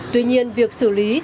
tuy nhiên việc xử lý